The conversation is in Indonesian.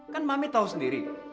kan mami tau sendiri